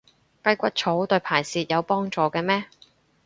雞骨草對排泄有幫助嘅咩？